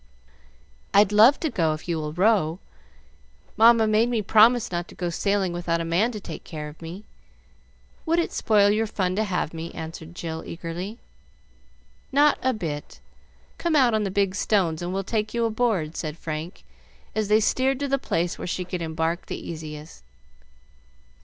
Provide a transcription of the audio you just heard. "I'd love to go, if you will row. Mamma made me promise not to go sailing without a man to take care of me. Would it spoil your fun to have me?" answered Jill, eagerly. "Not a bit; come out on the big stones and we'll take you aboard," said Frank, as they steered to the place where she could embark the easiest.